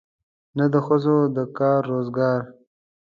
نه د ښځو د کار روزګار.